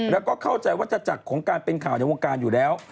แล้วก็เข้าใจวัตถจักรของการเป็นข่าวในวงการอยู่แล้ว